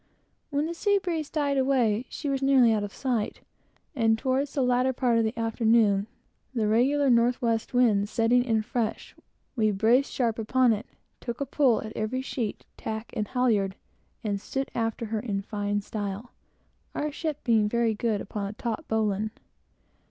When the sea breeze died away, she was nearly out of sight; and, toward the latter part of the afternoon, the regular north west wind set in fresh, we braced sharp upon it, took a pull at every sheet, tack, and halyard, and stood after her, in fine style, our ship being very good upon a tautened bowline.